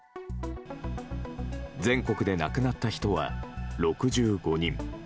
全国で亡くなった人は６５人。